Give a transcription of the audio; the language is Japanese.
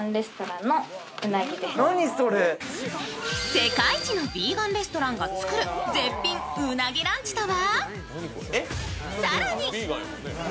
世界一のヴィーガンレストランが作る絶品うなぎランチとは？